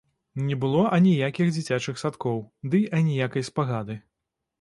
Не было аніякіх дзіцячых садкоў, дый аніякай спагады.